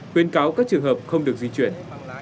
khuyên cáo các trường hợp không được di chuyển